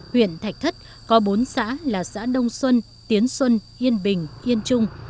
huyện thạch thất có bốn xã là xã đông xuân tiến xuân yên bình yên trung